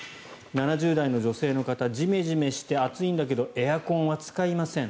７０代の女性の方ジメジメして暑いんだけどエアコンは使いません。